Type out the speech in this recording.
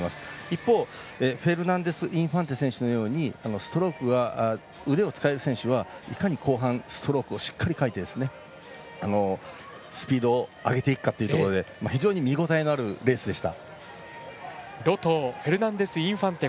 一方フェルナンデスインファンテ選手のように腕でかける選手はストロークでいかにスピードを上げていくかというところで非常に見応えのあるレースでした。